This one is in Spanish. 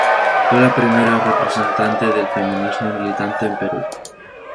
Fue la primera representante del feminismo militante en el Perú.